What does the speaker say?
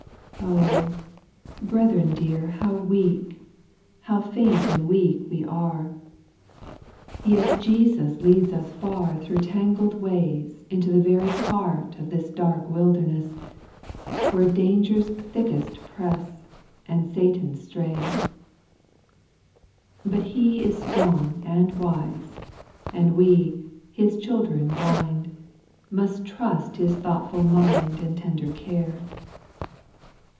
2. Oh 1 brethren dear how weak, How faint and weak we are 1 280 SPIRITUAL SONGS. Yet Jesus leads us far Through tangled ways Into the very heart Of this dark wilderness, Where dangers thickest presa^ And Satan strays. 8. But He is strong and wise, And we, His children blind, Must trust His thoughtful nund And tender care.